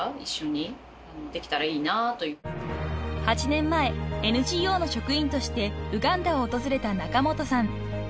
［８年前ＮＧＯの職員としてウガンダを訪れた仲本さん］